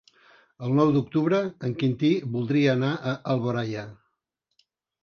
El nou d'octubre en Quintí voldria anar a Alboraia.